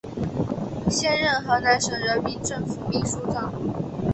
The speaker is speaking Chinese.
现任河南省人民政府秘书长。